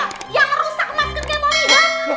yang merusak masker kemomi